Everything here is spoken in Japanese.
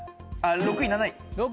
６位７位。